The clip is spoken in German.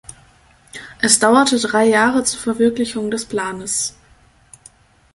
Es dauerte drei Jahre zur Verwirklichung des Planes.